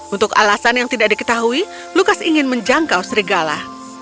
untuk alasan yang tidak diketahui lukas ingin menjangkau serigala